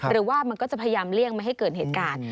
หรือว่ามันก็จะพยายามเลี่ยงไม่ให้เกิดเหตุการณ์